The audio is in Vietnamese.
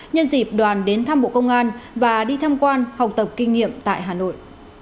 nhân dịp đoàn đến thăm bộ công an và đi tham quan học tập kinh nghiệm tại hà nội